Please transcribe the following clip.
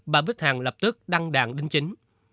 bà bích hằng lập tức đăng đàn đính chính